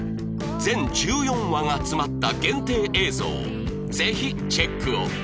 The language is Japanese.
全１４話が詰まった限定映像をぜひチェックを